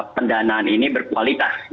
pendanaan ini berkualitas